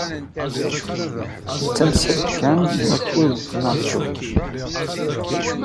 D tamsalt kan n wakud d unaṛju.